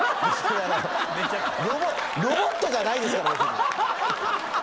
ロボットじゃないですから。